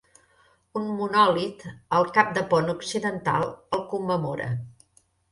Un monòlit, al cap de pont occidental, el commemora.